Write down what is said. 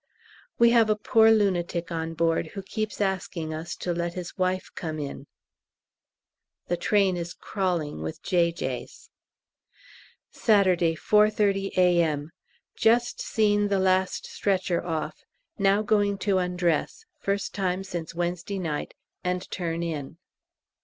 We have a poor lunatic on board who keeps asking us to let his wife come in. The train is crawling with J.J.'s. Saturday, 4.30 A.M. Just seen the last stretcher off; now going to undress (first time since Wednesday night) and turn in.